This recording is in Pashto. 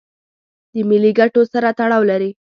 د ملي ګټو سره تړاو لري.